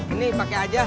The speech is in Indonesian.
ini pake aja